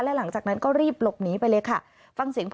แล้วหลังจากนั้นก็รีบหลบหนีไปเลยค่ะ